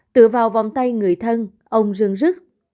tựa vào vòng tay người thân ông rừng rứt